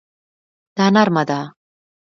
دا نرمه ده